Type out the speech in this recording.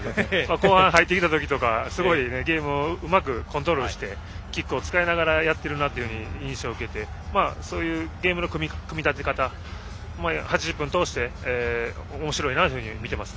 後半に入ってきてからすごくゲームをうまくコントロールしてキックを使いながらやっている印象を受けてゲームの組み立て方８０分を通して面白いなと見ていました。